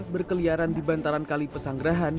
berkeliaran di bantaran kali pesanggerahan